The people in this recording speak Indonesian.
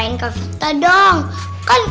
ina aku tau kok